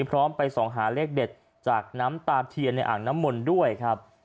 พร้อมไปส่องหาเลขเด็ดจากน้ำตาเทียนในอ่างน้ำมนต์ด้วยครับ